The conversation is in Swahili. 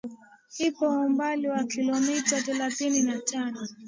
ipo umbali wa kilometa thelathini na tano